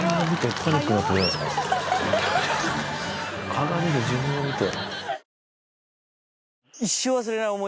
鏡で自分を見て。